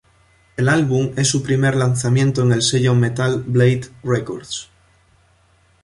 El álbum es su primer lanzamiento en el sello Metal Blade Records.